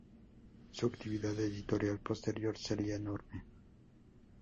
Su actividad editorial posterior sería enorme.